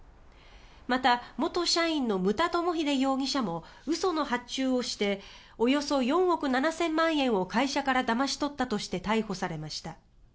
また、元社員の牟田友英容疑者も嘘の発注をしておよそ４億７０００万円を会社からだまし取ったとして逮捕されました。